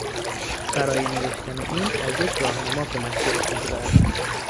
برای نوشتن این از یک راهنما کمک گرفته شده است.